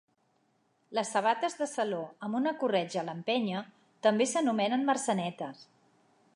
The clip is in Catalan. Les sabates de saló amb una corretja a l'empenya també s'anomenen mercenetes.